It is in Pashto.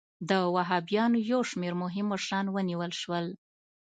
د وهابیانو یو شمېر مهم مشران ونیول شول.